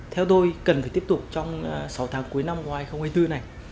theo tôi cần phải tiếp tục trong sáu tháng cuối năm ngoài hai nghìn hai mươi bốn này